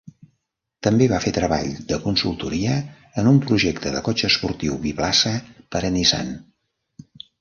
També va fer treball de consultoria en un projecte de cotxe esportiu biplaça per a Nissan.